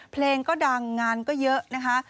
เพลงก็ดังงานก็เยอะนะคะ